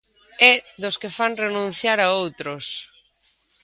É dos que fan renunciar a outros.